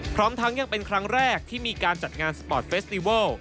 พร้อมทั้งยังเป็นครั้งแรกที่มีการจัดงานสปอร์ตเฟสติเวิล